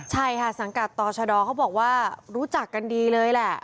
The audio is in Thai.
ใช่ค่ะสังกัดต่อชะดอเขาบอกว่ารู้จักกันดีเลยแหละ